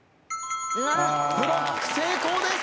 ブロック成功です！